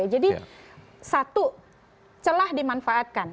jadi satu celah dimanfaatkan